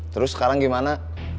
terus sekarang gimana